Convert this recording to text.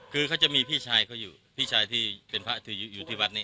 คือเขาจะมีพี่ชายเขาอยู่พี่ชายที่เป็นพระถืออยู่ที่วัดนี้